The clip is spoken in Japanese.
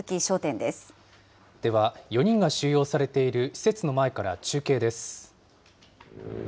では、４人が収容されている施設の前から中継です。